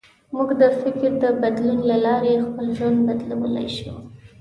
موږ د فکر د بدلون له لارې خپل ژوند بدلولی شو.